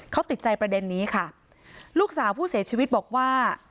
เขาติดใจประเด็นนี้ค่ะลูกสาวผู้เสียชีวิตบอกว่า